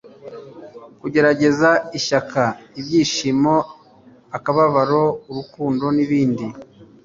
kugaragaza ishyaka -ibyishimo, akababaro, urukundo n'ibindi)